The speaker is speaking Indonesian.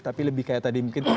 tapi lebih kayak tadi mungkin